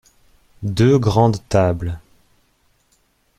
Deux grandes tables.